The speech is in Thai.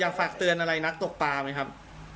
ฝากเตือนอะไรนักตกปลาไหมครับ